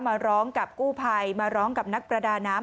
มาร้องกับกู้ภัยมาร้องกับนักประดาน้ำ